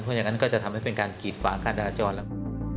เพราะฉะนั้นก็จะทำให้เป็นการกรีดฝาข้างทราจรแล้ว